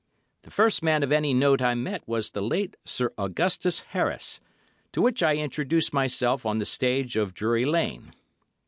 The first man of any note I met was the late Sir Augustus Harris, to whom I introduced myself on the stage of Drury Lane.